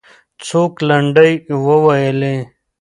څوک لنډۍ وویلې؟